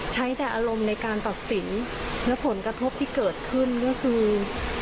ใช้แต่อารมณ์ในการตัดสินและผลกระทบที่เกิดขึ้นก็คือ